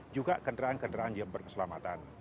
juga kendaraan kendaraan yang berkeselamatan